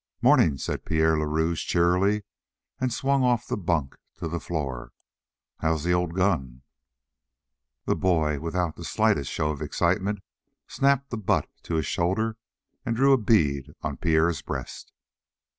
"Morning," said Pierre le Rouge cheerily, and swung off the bunk to the floor. "How old's the gun?" The boy, without the slightest show of excitement, snapped the butt to his shoulder and drew a bead on Pierre's breast.